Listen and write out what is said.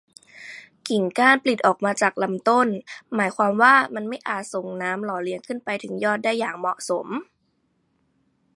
กิ่งก้านปลิดออกมาจากลำต้น หมายความว่ามันไม่อาจส่งน้ำหล่อเลี้ยงขึ้นไปถึงยอดได้อย่างเหมาะสม